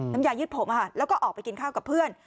น้ำยายืดผมแล้วก็ออกไปกินข้าวกับเพื่อน